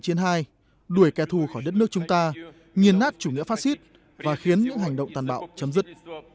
chiến hai đuổi kẻ thù khỏi đất nước chúng ta nghiền nát chủ nghĩa phát xít và khiến những hành động tàn bạo chấm dứt